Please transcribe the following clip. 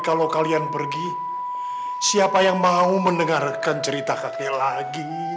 kalau kalian pergi siapa yang mau mendengarkan cerita kakek lagi